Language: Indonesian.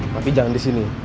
tapi jangan di sini